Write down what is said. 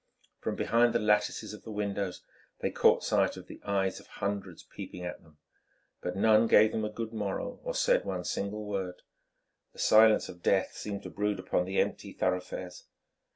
From behind the lattices of the windows they caught sight of the eyes of hundreds peeping at them, but none gave them a good morrow, or said one single word. The silence of death seemed to brood upon the empty thoroughfares.